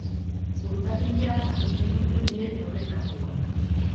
Urtarrilean hartu zituzten biek euren karguak.